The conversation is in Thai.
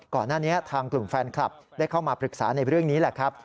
ก่อนหน้านี้ทางกลุ่มแฟนคลับได้เข้ามาปรึกษาในเรื่องนี้แหละครับ